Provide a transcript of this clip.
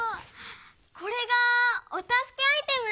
これがおたすけアイテム？